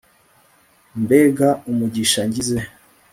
mbega umugisha ngize